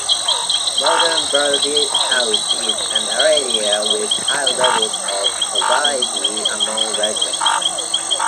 Modern Burdiehouse is an area with high levels of poverty among residents.